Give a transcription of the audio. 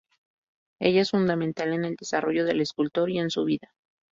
Ella es fundamental en el desarrollo del escultor y en su vida.